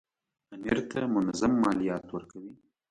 امیر ته منظم مالیات ورکوي.